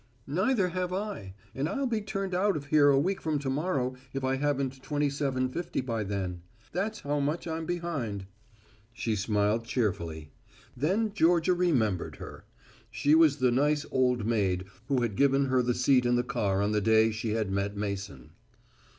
"Neither have I and I'll be turned out of here a week from to morrow if I haven't twenty seven fifty by then. That's how much I'm behind." She smiled cheerfully. Then Georgia remembered her. She was the nice old maid who had given her the seat in the car on the day she had met Mason.